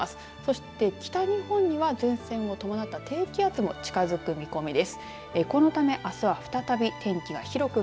そして北日本には前線を伴った低気圧も近づく見込みです。